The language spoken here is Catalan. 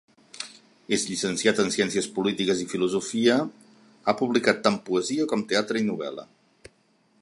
És llicenciat en Ciències Polítiques i Filosofia, ha publicat tant poesia com teatre i novel·la.